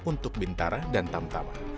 untuk bintara dan tamtama